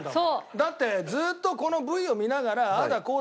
だってずっとこのＶを見ながらああだこうだ